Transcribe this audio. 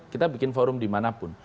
kita bikin forum dimanapun